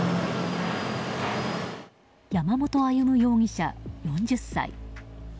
山本歩容疑者、４０歳。